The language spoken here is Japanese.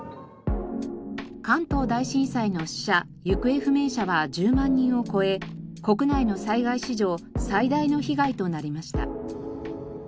関東大震災の死者・行方不明者は１０万人を超え国内の災害史上最大の被害となりました。